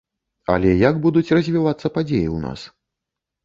Але як будуць развівацца падзеі ў нас?